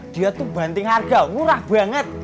dia tuh banting harga murah banget